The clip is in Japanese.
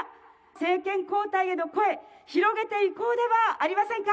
政権交代への声、広げていこうではありませんか。